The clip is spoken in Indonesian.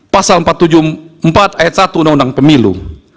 pasal empat puluh tujuh h satu u n pemilu